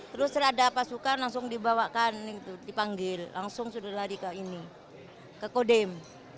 terus ada pasukan langsung dibawakan dipanggil langsung sudah lari ke ini ke kodem